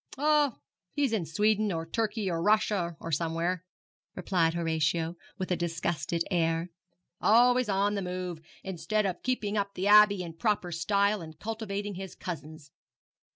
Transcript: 'Oh, he is in Sweden, or Turkey, or Russia, or somewhere,' replied Horatio, with a disgusted air; 'always on the move, instead of keeping up the Abbey in proper style, and cultivating his cousins.